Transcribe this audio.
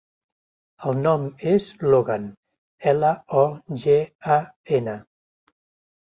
El nom és Logan: ela, o, ge, a, ena.